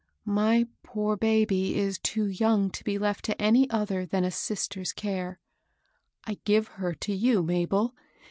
My poor baby is too young to be left to any other than a sister's care ; I give her to you, Mabel.